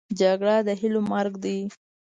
جګړه د هیلو مرګ دی